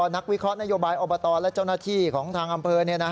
นักวิเคราะห์นโยบายอบตและเจ้าหน้าที่ของทางอำเภอ